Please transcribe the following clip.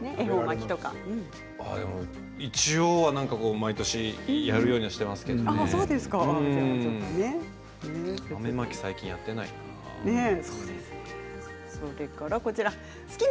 一応、毎年やるようにしていますけれども豆まき、最近やっていないな。